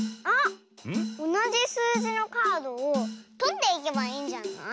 おなじすうじのカードをとっていけばいいんじゃない？